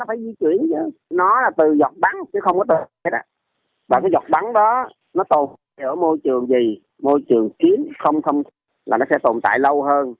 và cái giọt bắn đó nó tồn tại ở môi trường gì môi trường kiến không không là nó sẽ tồn tại lâu hơn